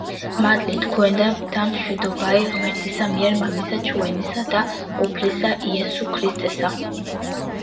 მადლი თქუენდა და მშვიდობაი ღმრთისა მიერ მამისა ჩუენისა და უფლისა იესუ ქრისტესა.